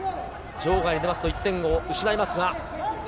場外に出ると、１点を失います。